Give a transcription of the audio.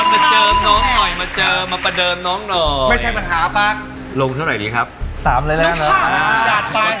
มาเจอมาเจอมาประเดิมน้องหน่อยไม่ใช่ปัญหาปั๊กลงเท่าไหร่ครับตามเลยนะ